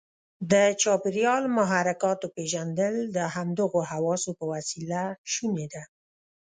د چاپیریال محرکاتو پېژندل د همدغو حواسو په وسیله شونې ده.